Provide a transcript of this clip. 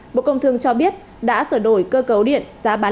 bộ công thương cho biết đã sửa đổi cơ cấu điện giá bán